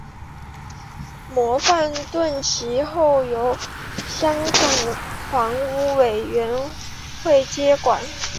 模范邨其后由香港房屋委员会接管。